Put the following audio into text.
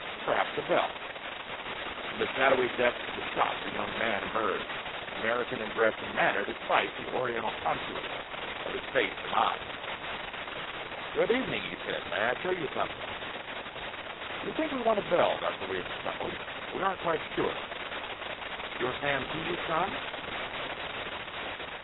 Perhaps a bell?" From the shadowy depths of the shop a young man emerged, American in dress and manner despite the Oriental contours of his face and eyes. "Good evening," he said. "May I show you something?" "We think we want a bell," Dr. Williams chuckled. "But we aren't quite sure. You're Sam Kee's son?"